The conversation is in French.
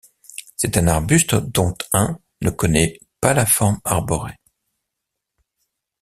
C'est un arbuste dont un ne connait pas la forme arborée.